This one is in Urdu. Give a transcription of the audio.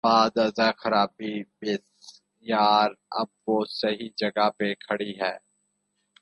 بعد از خرابیٔ بسیار، اب وہ صحیح جگہ پہ کھڑی ہے۔